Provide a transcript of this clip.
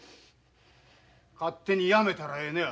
勝手にやめたらええのや。